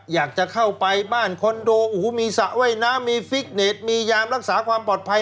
อยากจะเข้าไปบ้านคอนโดโอ้โหมีสระว่ายน้ำมีฟิตเน็ตมียามรักษาความปลอดภัย